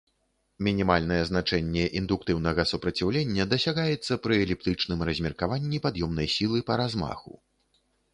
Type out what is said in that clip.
Мінімальнае значэнне індуктыўнага супраціўлення дасягаецца пры эліптычным размеркаванні пад'ёмнай сілы па размаху.